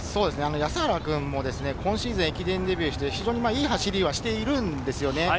安原君も今シーズン、駅伝デビューして非常にいい走りはしているんですよね。